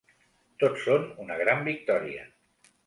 Tots són una gran victòria.